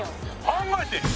考えてるよ！